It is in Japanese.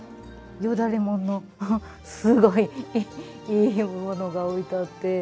よだれもんのすごいいいものが置いてあって。